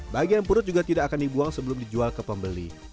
bagian perut juga tidak akan dibuang sebelum dijual ke pembeli